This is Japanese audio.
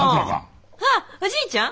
あっおじいちゃん？